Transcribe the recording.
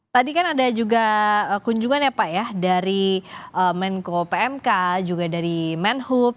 tadi kan ada juga kunjungan ya pak ya dari menko pmk juga dari menhub